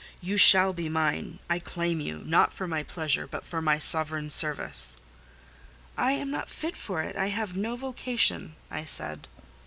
You shall be mine: I claim you—not for my pleasure, but for my Sovereign's service." "I am not fit for it: I have no vocation," I said.